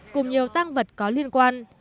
cùng nhiều tang vật có liên quan